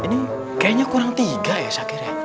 ini kayaknya kurang tiga ya syakir ya